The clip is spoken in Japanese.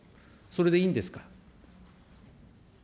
それでいいんですか。